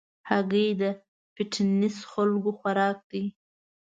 هګۍ د فټنس خلکو خوراک دی.